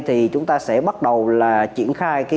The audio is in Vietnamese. thì chúng ta sẽ bắt đầu là triển khai